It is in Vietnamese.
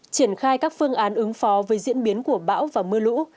triển khai các phương án ứng phó với diễn biến của bão và mưa lũ